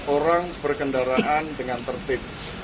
orang berkendaraan dengan tertib